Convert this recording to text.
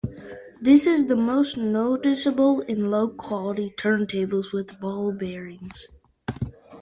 This is most noticeable in low quality turntables with ball bearings.